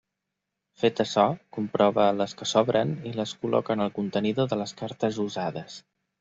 Fet açò, comprova les que sobren i les col·loca en el contenidor de les cartes usades.